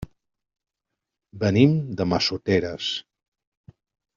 Venim de Massoteres.